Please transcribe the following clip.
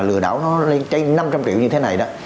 lừa đảo nó lên trên năm trăm linh triệu như thế này đó